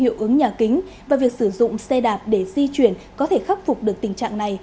hiệu ứng nhà kính và việc sử dụng xe đạp để di chuyển có thể khắc phục được tình trạng này